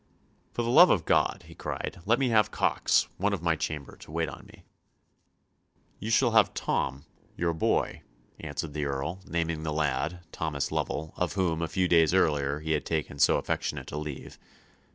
"For the love of God," he cried, "let me have Cox, one of my chamber, to wait on me!" "You shall have Tom, your boy," answered the Earl, naming the lad, Thomas Lovell, of whom, a few days earlier, he had taken so affectionate a leave.